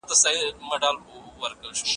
بیا را ژوندي کړو د بابا لښکري